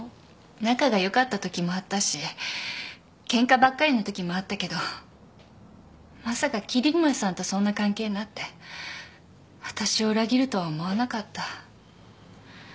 仲が良かったときもあったしケンカばっかりのときもあったけどまさか桐村さんとそんな関係になって私を裏切るとは思わなかった。